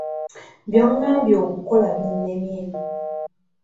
By'ongambye okukola binnemye.